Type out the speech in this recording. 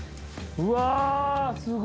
うわ。